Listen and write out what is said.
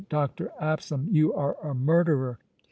"Dr. Absalom, you are a murderer!"